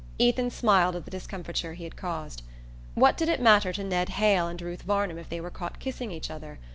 Ethan smiled at the discomfiture he had caused. What did it matter to Ned Hale and Ruth Varnum if they were caught kissing each other?